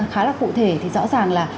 khá là cụ thể thì rõ ràng là